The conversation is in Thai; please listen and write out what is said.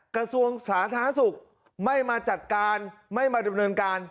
กระทรวงสาธารณสุขไม่มาจัดการไม่มาดำเนินการ